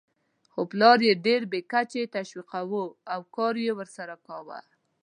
خو پلار یې ډېر بې کچې تشویقاوو او کار یې ورسره کاوه.